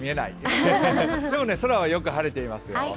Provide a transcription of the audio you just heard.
でもね、空はよく晴れていますよ。